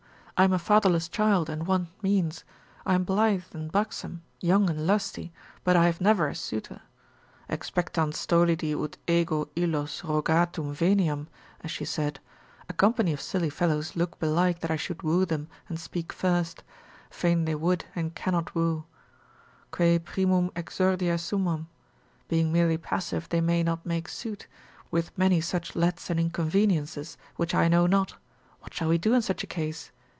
I am a fatherless child, and want means, I am blithe and buxom, young and lusty, but I have never a suitor, Expectant stolidi ut ego illos rogatum veniam, as she said, A company of silly fellows look belike that I should woo them and speak first: fain they would and cannot woo,—quae primum exordia sumam? being merely passive they may not make suit, with many such lets and inconveniences, which I know not; what shall we do in such a case?